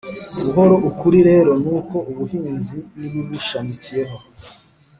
Buhoro ukuri rero nuko ubuhinzi n ibibushamikiyeho